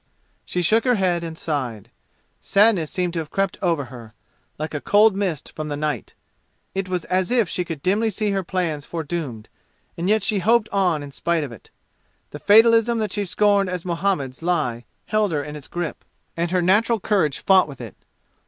She shook her head and sighed. Sadness seemed to have crept over her, like a cold mist from the night. It was as if she could dimly see her plans foredoomed, and yet hoped on in spite of it. The fatalism that she scorned as Muhammad's lie held her in its grip, and her natural courage fought with it.